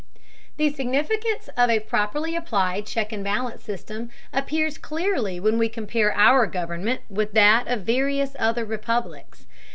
The significance of a properly applied check and balance system appears clearly when we compare our government with that of various other republics.